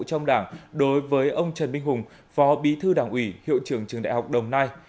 trong đảng đối với ông trần minh hùng phó bí thư đảng ủy hiệu trưởng trường đại học đồng nai